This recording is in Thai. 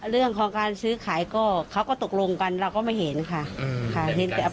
เรื่องของการซื้อขายก็เขาก็ตกลงกันเราก็ไม่เห็นค่ะ